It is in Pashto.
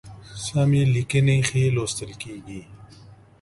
سمي لیکنی ښی لوستل کیږي